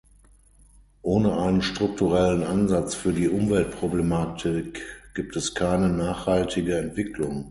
Ohne einen strukturellen Ansatz für die Umweltproblematik gibt es keine nachhaltige Entwicklung.